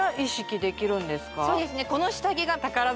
そうですね